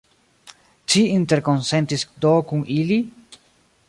Ci interkonsentis do kun ili?